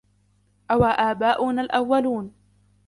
أَوَ آبَاؤُنَا الأَوَّلُونَ